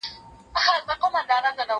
زه بايد مطالعه وکړم..